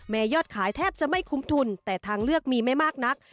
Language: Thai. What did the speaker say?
ยอดขายแทบจะไม่คุ้มทุนแต่ทางเลือกมีไม่มากนัก